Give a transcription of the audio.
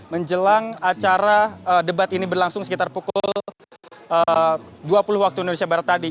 menjelang acara debat ini berlangsung sekitar pukul dua puluh waktu indonesia barat tadi